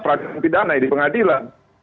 peradilan pidana di pengadilan